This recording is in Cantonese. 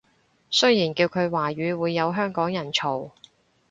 雖然叫佢華語會有香港人嘈